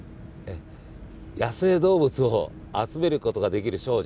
野生動物を集めることができる少女。